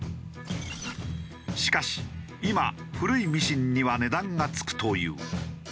しかし今古いミシンには値段が付くという。